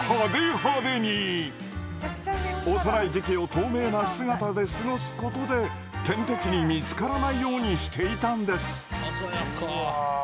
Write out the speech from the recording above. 幼い時期を透明な姿で過ごすことで天敵に見つからないようにしていたんです。